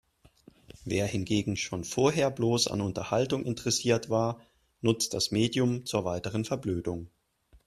Wer hingegen schon vorher bloß an Unterhaltung interessiert war, nutzt das Medium zur weiteren Verblödung.